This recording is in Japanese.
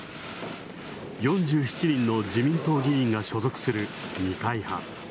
４７人の自民党議員が所属する二階派。